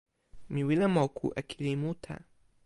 mi wile moku e kili mute